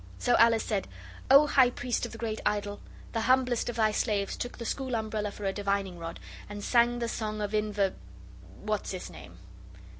So Alice said, 'O high priest of the great idol, the humblest of thy slaves took the school umbrella for a divining rod, and sang the song of inver what's it's name?